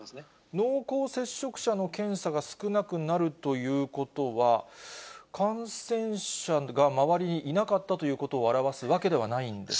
濃厚接触者の検査が少なくなるということは、感染者が周りにいなかったということを表すわけではないんですか。